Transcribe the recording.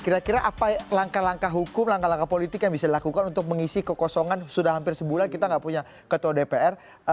kira kira apa langkah langkah hukum langkah langkah politik yang bisa dilakukan untuk mengisi kekosongan sudah hampir sebulan kita nggak punya ketua dpr